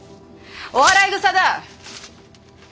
お笑いぐさだ！